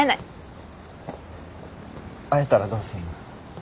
会えたらどうすんの？